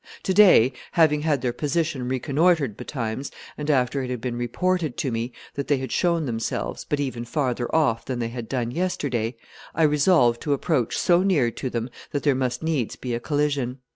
"To day, having had their position reconnoitred betimes, and after it had been reported to me that they had shown themselves, but even farther off than they had done yesterday, I resolved to approach so near to them that there must needs be a collision.